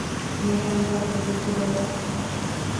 Nelar qoldi yurtida tanho?..